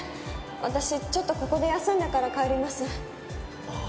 私ちょっとここで休んでから帰ります。